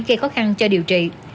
gây khó khăn cho điều trị